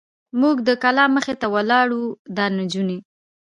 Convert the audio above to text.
موږ د کلا مخې ته ولاړ و، دا نجونې.